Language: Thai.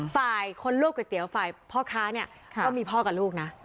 ฝ่ายคนลวกก๋วยเตี๋ยวฝ่ายพ่อค้าเนี่ยก็มีพ่อกับลูกนะ